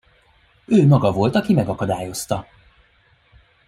Ő maga volt, aki megakadályozta.